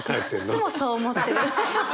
いつもそう思ってるハハハ。